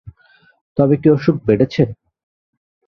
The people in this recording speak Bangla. তবে কি অসুখ বেড়েছে?